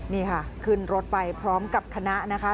นี่ค่ะขึ้นรถไปพร้อมกับคณะนะคะ